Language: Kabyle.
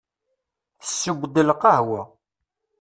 Tessew-d lqahwa.